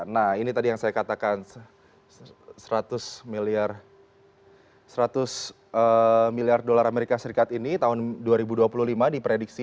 nah ini tadi yang saya katakan seratus miliar seratus miliar dolar amerika serikat ini tahun dua ribu dua puluh lima diprediksi